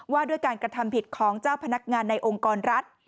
ว่าด้วยการกระทำผิดของเจ้าพนักงานในองค์กรรัฐ